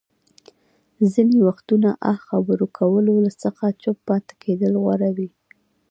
ځينې وختونه اه خبرو کولو څخه چوپ پاتې کېدل غوره وي.